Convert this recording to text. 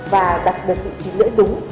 và đặt được vị trí lưỡi đúng